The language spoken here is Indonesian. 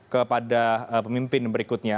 kepada pemimpin berikutnya